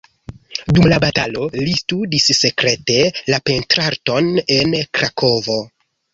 Dum la batalo li studis sekrete la pentrarton en Krakovo.